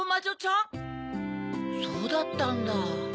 そうだったんだ。